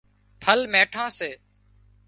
ڦل ميٺان سي